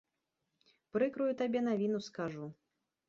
Прыкрую табе навіну скажу.